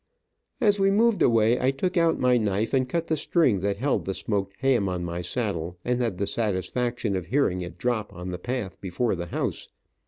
As we moved away, I took out my knife and cut the string that held the smoked ham on my saddle, and had the satisfaction of hearing it drop on the path before the house.